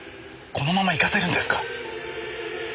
このまま行かせるんですか？